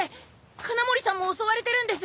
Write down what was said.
鉄穴森さんも襲われてるんです。